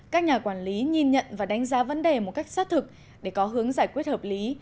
các nhà quản lý nhìn nhận và đánh giá vấn đề một cách xác thực để có hướng giải quyết hợp lý